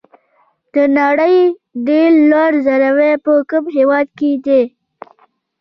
د نړۍ ډېر لوړ ځړوی په کوم هېواد کې دی؟